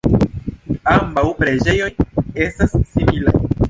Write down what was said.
Ambaŭ preĝejoj estas similaj.